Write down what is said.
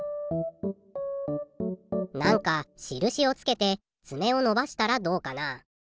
何か印をつけてつめを伸ばしたらどうかな？